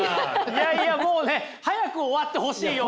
いやいやもうね早く終わってほしいようなね！